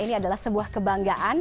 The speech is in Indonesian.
ini adalah sebuah kebanggaan